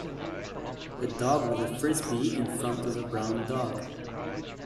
A dog with a Frisbee in front of a brown dog.